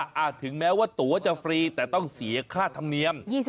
ถึงแม้ว่าตัวจะฟรีแต่ต้องเสียค่าธรรมเนียม